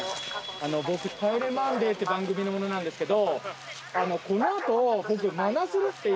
僕『帰れマンデー』っていう番組の者なんですけど。